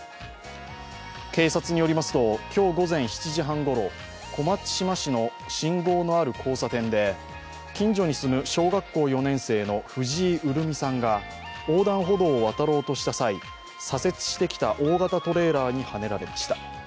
警察によりますと今日午前７時半ごろ小松島市の信号のある交差点で、近所に住む小学校４年生の藤井潤美さんが横断歩道を渡ろうとした際左折してきた大型トレーラーにはねられました。